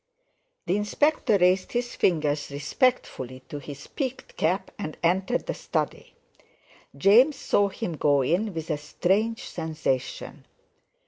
The Inspector raised his fingers respectfully to his peaked cap, and entered the study. James saw him go in with a strange sensation.